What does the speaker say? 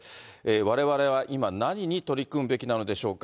われわれは今、何に取り組むべきなのでしょうか。